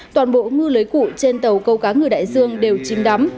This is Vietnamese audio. toàn bộ ngư lưới cụ trên tàu câu cá ngừ đại dương đều chìm đắm